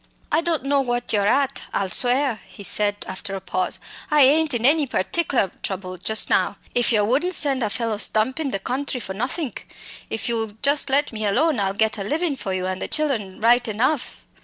"I don't know what you're at, I'll swear," he said after a pause. "I ain't in any pertickler trouble just now if yer wouldn't send a fellow stumpin' the country for nothink. If you'll just let me alone I'll get a livin' for you and the chillen right enough.